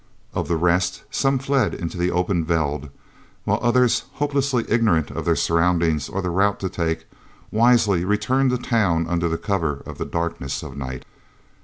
Of the rest some fled into the open veld, while others, hopelessly ignorant of their surroundings or of the route to take, wisely returned to town under cover of the darkness of the night.